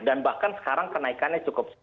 dan bahkan sekarang kenaikannya cukup